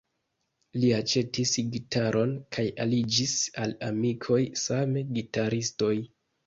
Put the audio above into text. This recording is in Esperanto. Li aĉetis gitaron kaj aliĝis al amikoj, same gitaristoj.